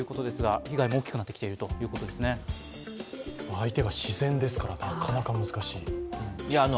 相手が自然ですからなかなか難しい。